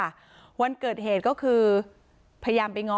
สวัสดีครับทุกคน